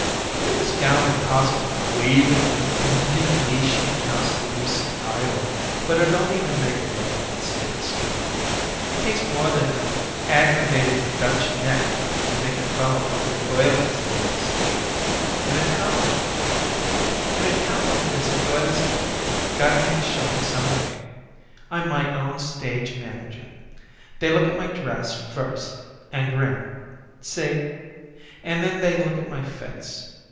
Maybe this gown would cause a wave of indignation in Oskaloosa, Iowa, but it don't even make a ripple on State Street. It takes more than an aggravated Dutch neck to make a fellow look at a girl these days. In a town like this a girl's got to make a showin' some way. I'm my own stage manager. They look at my dress first, an' grin. See? An' then they look at my face.